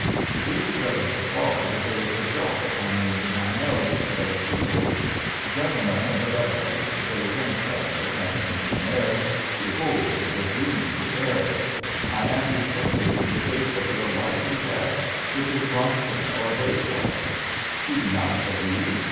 It is because of the fog that there is a drop upon the end of my nose so chiselled. Gentlemen the Governors, the Lieutenant Gov ernors and the Commissaires, behold the doom prepared. I am descended to the gates of your Life in Death. Which is Brompton or Bays water. You do not believe?